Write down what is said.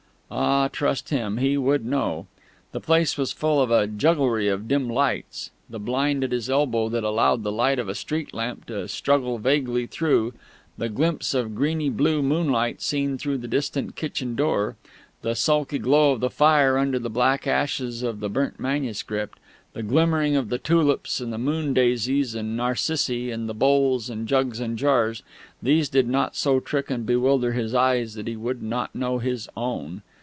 Ah, trust him! He would know! The place was full of a jugglery of dim lights. The blind at his elbow that allowed the light of a street lamp to struggle vaguely through the glimpse of greeny blue moonlight seen through the distant kitchen door the sulky glow of the fire under the black ashes of the burnt manuscript the glimmering of the tulips and the moon daisies and narcissi in the bowls and jugs and jars these did not so trick and bewilder his eyes that he would not know his Own!